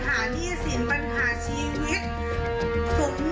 แม่ทีมช่วยขายขายไม่ได้จริงซื้อคืนค่ะ